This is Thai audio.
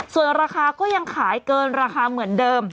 ส่วนราคาก็ยังขายเกินราคาเหมือนเดิม